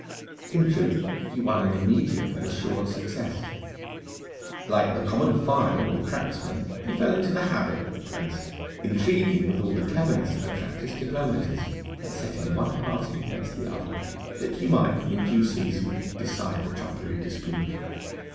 In truth, he won an immediate and assured success. Like the common file or cracksman, he fell into the habit of the place, intriguing with all the cleverness of a practised diplomatist, and setting one party against the other that he might in due season decide the trumpery dispute.